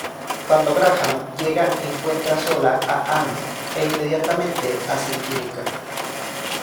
Cuando Graham llega, encuentra sola a Ann, e inmediatamente hacen química.